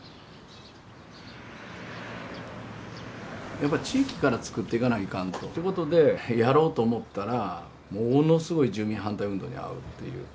やっぱ地域からつくっていかないかんと。ってことでやろうと思ったらものすごい住民反対運動に遭うっていう。